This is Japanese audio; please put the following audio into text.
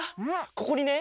ここにね